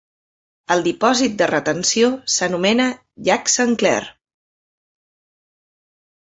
El dipòsit de retenció s'anomena llac Saint Clair.